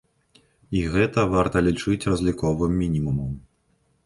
І гэта варта лічыць разліковым мінімумам.